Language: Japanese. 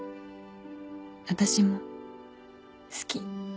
私も好き